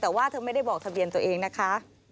แต่ว่าเธอไม่ได้บอกทะเบียนตัวเองนะคะ